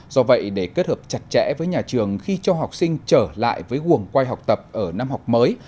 do vậy để kết hợp chặt chẽ với nhà trường khi cho học sinh trở lại với quần quay học tập ở năm học mới